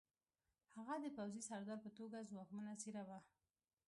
هغه د پوځي سردار په توګه ځواکمنه څېره وه